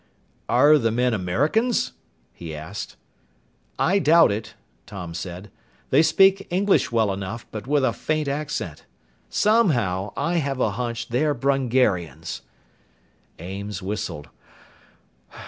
"Are the men Americans?" he asked. "I doubt it," Tom said. "They speak English well enough, but with a faint accent. Somehow, I have a hunch they're Brungarians." Ames whistled.